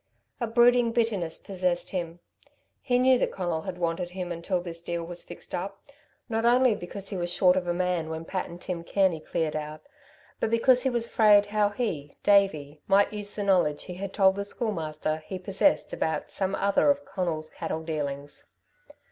A brooding bitterness possessed him. He knew that Conal had wanted him until this deal was fixed up, not only because he was short of a man when Pat and Tim Kearney cleared out, but because he was afraid how he, Davey, might use the knowledge he had told the Schoolmaster he possessed about some other of Conal's cattle dealings.